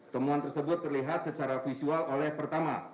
temuan tersebut terlihat secara visual oleh pertama